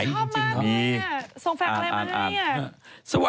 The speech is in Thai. พูดทำไมวะ